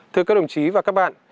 thưa các đồng chí và các bạn